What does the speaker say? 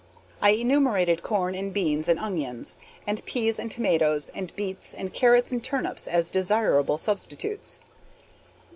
I enumerated corn and beans and onions and peas and tomatoes and beets and carrots and turnips as desirable substitutes.